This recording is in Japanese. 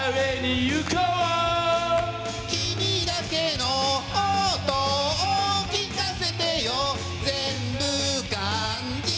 「君だけの音を聞かせてよ全部感じてるよ」